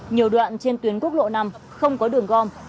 nhiều đoạn trên tuyến quốc lộ năm không có đường gom